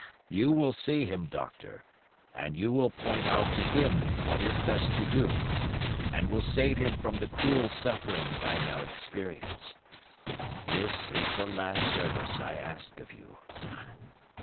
You will see him, Doctor, and you will point out to him what is best to do, and will save him from the cruel sufferings I now experience. This is the last service I ask of you."